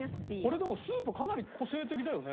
これでもスープかなり個性的だよね。